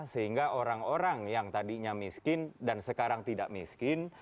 sehingga orang orang yang tadinya miskin dan sekarang tidak miskin